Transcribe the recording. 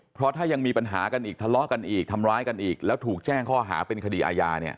เพราะถ้ายังมีปัญหากันอีกทะเลาะกันอีกทำร้ายกันอีกแล้วถูกแจ้งข้อหาเป็นคดีอาญาเนี่ย